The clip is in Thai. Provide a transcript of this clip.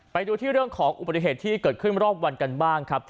ไปดูที่เรื่องของอุบัติเหตุที่เกิดขึ้นรอบวันกันบ้างครับ